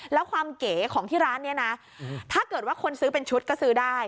แล้วความเก๋ของที่ร้านนี้นะถ้าเกิดว่าคนซื้อเป็นชุดก็ซื้อได้